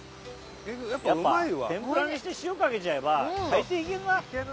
やっぱ天ぷらにして塩かけちゃえば大抵いけるな！